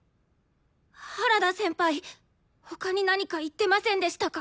原田先輩他に何か言ってませんでしたか？